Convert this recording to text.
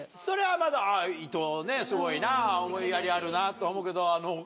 それはまだいとうすごいな思いやりあるなとは思うけど。